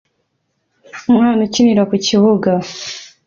umwana ukinira ku kibuga